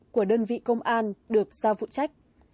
của đơn vị công an được giao vụ trách